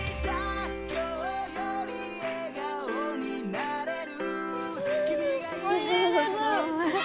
うんおいしいです。